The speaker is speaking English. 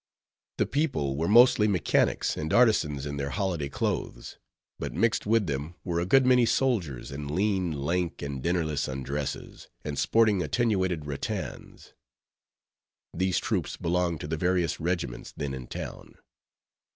The people were mostly mechanics and artisans in their holiday clothes; but mixed with them were a good many soldiers, in lean, lank, and dinnerless undresses, and sporting attenuated rattans. These troops belonged to the various regiments then in town.